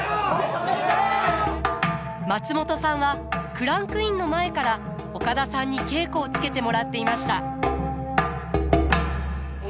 松本さんはクランクインの前から岡田さんに稽古をつけてもらっていました。